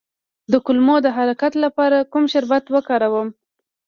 د کولمو د حرکت لپاره کوم شربت وکاروم؟